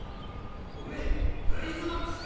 お前レイズ・マックスか！？